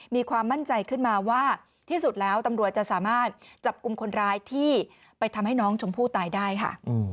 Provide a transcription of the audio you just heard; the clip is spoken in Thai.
มีความมั่นใจขึ้นมาว่าที่สุดแล้วตำรวจจะสามารถจับกลุ่มคนร้ายที่ไปทำให้น้องชมพู่ตายได้ค่ะ